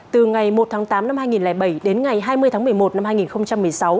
từ ngày một tháng tám năm hai nghìn bảy đến ngày hai mươi tháng một mươi một năm hai nghìn một mươi sáu